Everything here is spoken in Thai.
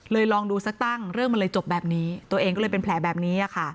ลองดูสักตั้งเรื่องมันเลยจบแบบนี้ตัวเองก็เลยเป็นแผลแบบนี้ค่ะ